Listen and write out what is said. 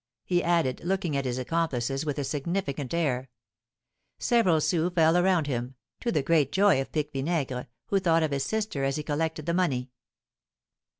he added, looking at his accomplices with a significant air. Several sous fell around him, to the great joy of Pique Vinaigre, who thought of his sister as he collected the money.